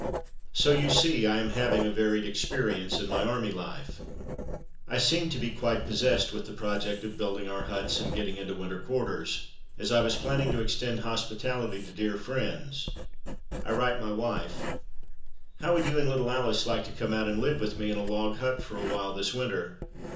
So you see I am having a varied experience in my army life." I seemed to be quite possessed with the project of building our huts and getting into winter quarters, as I was planning to extend hospitality to dear friends. I write my wife: "How would you and little Alice like to come out and live with me in a log hut for a while this winter?